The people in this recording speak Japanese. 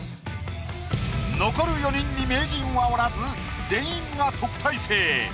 残る４人に名人はおらず全員が特待生。